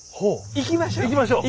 いきましょう。